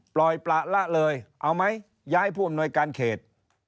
ปล่อยประละเลยเอาไหมย้ายผู้อำนวยการเขต